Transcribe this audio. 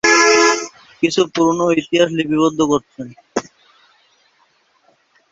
কিছু গবেষক সম্প্রতি ধারণাটি হালনাগাদ করার চেষ্টা করেছেন।